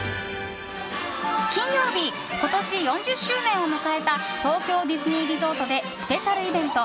金曜日、今年４０周年を迎えた東京ディズニーリゾートでスペシャルイベント